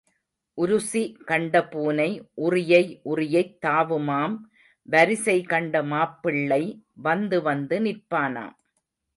உருசி கண்ட பூனை உறியை உறியைத் தாவுமாம் வரிசை கண்ட மாப்பிள்ளை வந்து வந்து நிற்பானாம்.